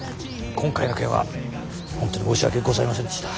今回の件は本当に申し訳ございませんでした。